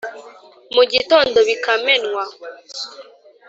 mu gitondo bikamenywa